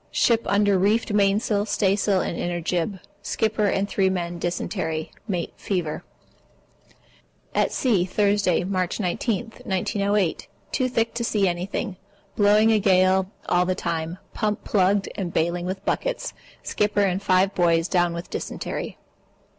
Ship under reefed mainsail, staysail, and inner jib. Skipper and 3 men dysentery. Mate fever. At sea, Thursday, March 19, 1908. Too thick to see anything. Blowing a gale all the time. Pump plugged up and bailing with buckets. Skipper and five boys down on dysentery.